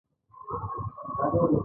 هدف ته د رسیدو د امکان زیاتوالی دی.